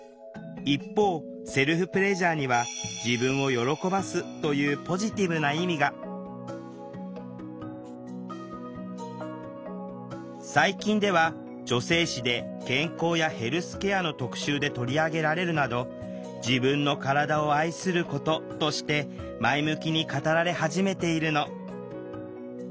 一方セルフプレジャーには「自分を喜ばす」というポジティブな意味が最近では女性誌で健康やヘルスケアの特集で取り上げられるなど「自分の体を愛すること」として前向きに語られ始めているの。